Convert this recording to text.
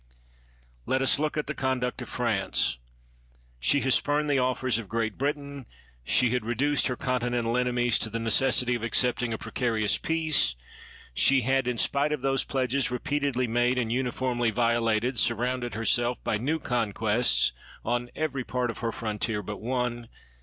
Let us look at the conduct of France. She had spurned the offers of Great Britain; she had reduced her Continental enemies to the necessity of accepting a precarious peace; she had (in spite of those pledges repeatedly made and uniformly violated) surrounded herself by new conquests on every part of her frontier but one.